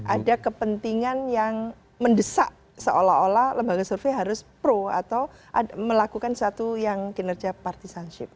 ada kepentingan yang mendesak seolah olah lembaga survei harus pro atau melakukan sesuatu yang kinerja partisanship